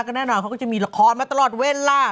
ก็แน่นอนเขาก็จะมีละครมาตลอดเวลา